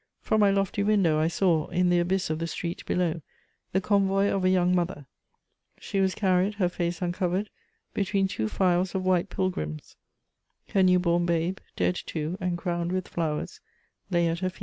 From my lofty window I saw, in the abyss of the street below, the convoy of a young mother: she was carried, her face uncovered, between two files of white pilgrims; her new born babe, dead too and crowned with flowers, lay at her feet.